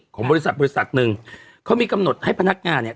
ของบริษัทบริษัทหนึ่งเขามีกำหนดให้พนักงานเนี่ย